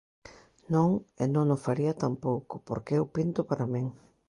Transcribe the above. Non e non o faría tampouco, porque eu pinto para min.